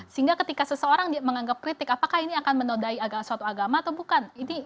sehingga ketika seseorang menganggap kritik apakah ini akan menodai suatu agama atau bukan